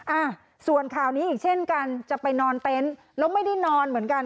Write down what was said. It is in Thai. อ่าส่วนข่าวนี้อีกเช่นกันจะไปนอนเต็นต์แล้วไม่ได้นอนเหมือนกัน